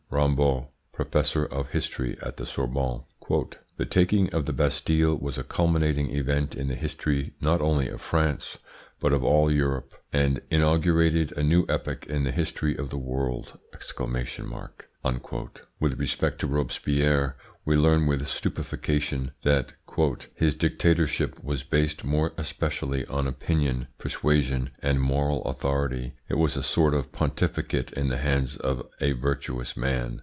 Rambaud, professor of history at the Sorbonne: "The taking of the Bastille was a culminating event in the history not only of France, but of all Europe; and inaugurated a new epoch in the history of the world!" With respect to Robespierre, we learn with stupefaction that "his dictatorship was based more especially on opinion, persuasion, and moral authority; it was a sort of pontificate in the hands of a virtuous man!"